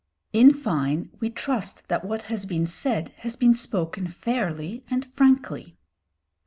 In fine, we trust that what has been said, has been spoken fairly and frankly.